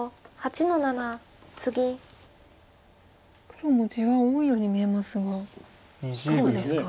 黒も地は多いように見えますがどうですか？